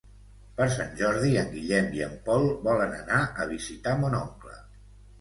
Per Sant Jordi en Guillem i en Pol volen anar a visitar mon oncle.